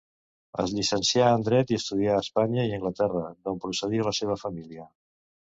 Es llicencià en dret i estudià a Espanya i Anglaterra, d'on procedia la seva família.